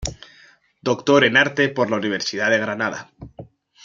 Doctor en arte por la Universidad de Granada.